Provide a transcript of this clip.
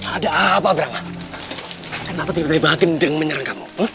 ada apa brahma kenapa tiba tiba gendeng menyerang kamu